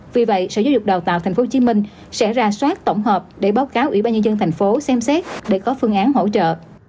vì vậy sở giáo dục đào tạo tp hcm sẽ ra soát tổng hợp để báo cáo ủy ban nhân dân tp xem xét để có phương án hỗ trợ